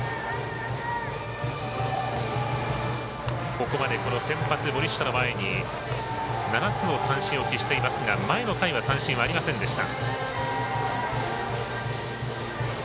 ここまで先発、森下の前に７つの三振を喫していますが前の回は三振はありませんでした。